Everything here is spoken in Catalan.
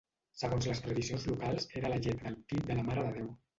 Segons les tradicions locals era la llet del pit de la Mare de Déu.